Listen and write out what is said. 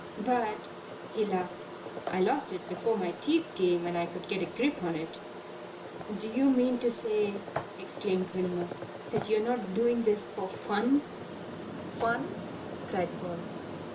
"But," he laughed, "I lost it before my teeth came and I could get a grip on it." "Do you mean to say," exclaimed Wilmer, "that you're not doing this for fun?" "Fun?" cried Paul.